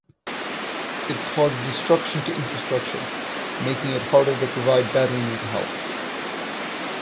It caused destruction to infrastructure making it harder to provide badly needed help.